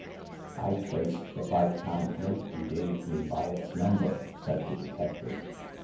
I traced the five pound note you gave me by its number," said the detective.